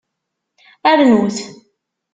Rnut!